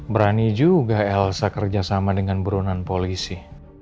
berani juga elsa kerjasama dengan burunan polisi